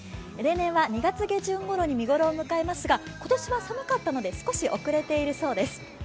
例年は２月下旬ごろに見頃を迎えますが今年は寒かったので少し遅れているそうです。